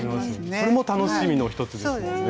それも楽しみの一つですよね。